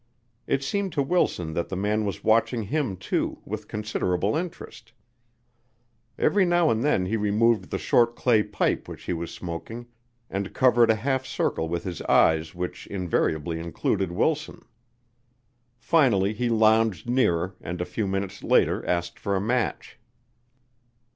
It seemed to Wilson that the man was watching him, too, with considerable interest. Every now and then he removed the short clay pipe which he was smoking and covered a half circle with his eyes which invariably included Wilson. Finally he lounged nearer and a few minutes later asked for a match.